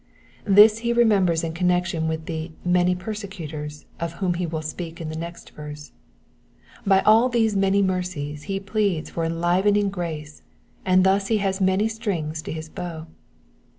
This he remembers in connection with the many per secutors'* of whom he will speak in the next verse. By all these many mercies he pleads for enlivening grace, and thus he has many strings to his bow.